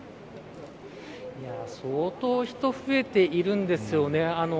相当、人増えているんですよね。